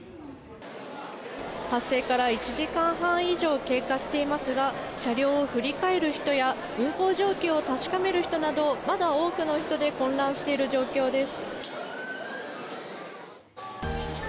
発生から１時間半以上経過していますが車両を振り返る人や運行状況を確かめる人などまだ多くの人で混乱している状況です。